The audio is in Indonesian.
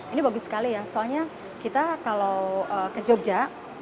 ini bagus sekali ya soalnya kita kalau ke jogja